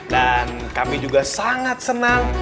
dan kami juga sangat senang